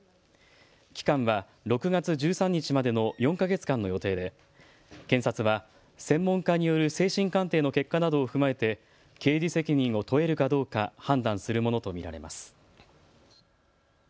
期間は６月１３日までの４か月間の予定で検察は専門家による精神鑑定の結果などを踏まえて刑事責任を問えるかどうか判断するものと見られます。